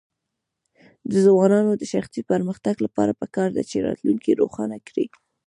د ځوانانو د شخصي پرمختګ لپاره پکار ده چې راتلونکی روښانه کړي.